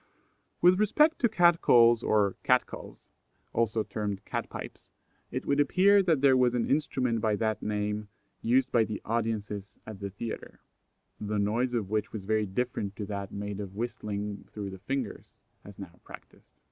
With respect to cat calls or cat cals, also termed cat pipes, it would appear that there was an instrument by that name used by the audiences at the theatre, the noise of which was very different to that made by whistling through the fingers, as now practised.